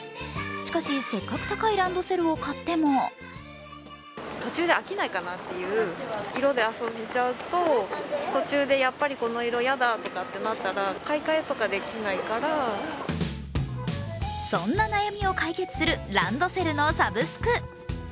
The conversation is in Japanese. しかし、せっかく高いランドセルを買ってもそんな悩みを解決するランドセルのサブスク。